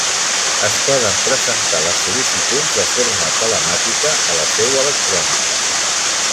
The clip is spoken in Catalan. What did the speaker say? Es poden presentar les sol·licituds de forma telemàtica a la seu electrònica.